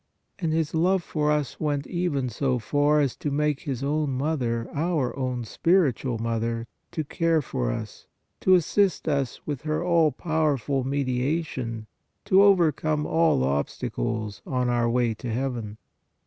And His love for us went even so far as to make His own Mother our own spiritual Mother to care for us, to assist us with her all powerful mediation to overcome all obstacles on our way to heaven.